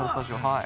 はい。